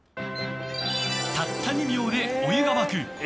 たった２秒でお湯が沸く！